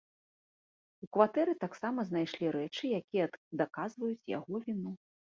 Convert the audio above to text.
У кватэры таксама знайшлі рэчы, якія даказваюць яго віну.